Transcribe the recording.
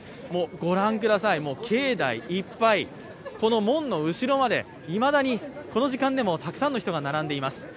ご覧ください、境内いっぱい、この門の後ろまで、いまだにこの時間でもたくさんの人が並んでいます。